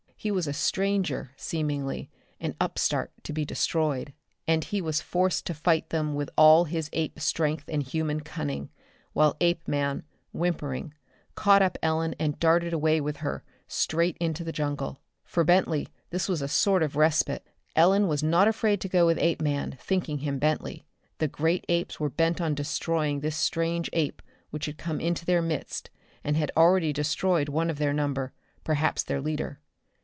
He was a stranger, seemingly, an upstart to be destroyed. And he was forced to fight them with all his ape strength and human cunning, while Apeman, whimpering, caught up Ellen and darted away with her, straight into the jungle. For Bentley this was a sort of respite. Ellen was not afraid to go with Apeman, thinking him Bentley. The great apes were bent on destroying this strange ape which had come into their midst and had already destroyed one of their number, perhaps their leader.